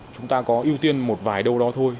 chúng ta có ưu tiên một vài đâu đó thôi